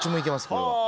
これは。